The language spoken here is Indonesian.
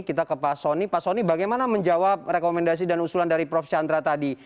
kita ke pak soni pak soni bagaimana menjawab rekomendasi dan usulan dari prof chandra tadi